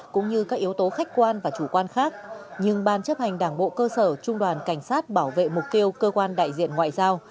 cũng như các yếu tố khách quan và chủ quan khác nhưng ban chấp hành đảng bộ cơ sở trung đoàn cảnh sát bảo vệ mục tiêu cơ quan đại diện ngoại giao